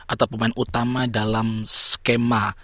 atau pemain utama dalam skema